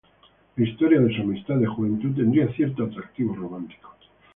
La historia de su amistad de juventud tendría cierto atractivo romántico.